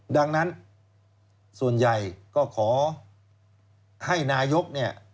ดังนั้นส่วนใหญ่ก็ขอให้นายกเนี่ย